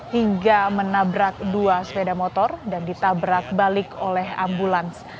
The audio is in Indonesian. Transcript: hingga menabrak dua sepeda motor dan ditabrak balik oleh ambulans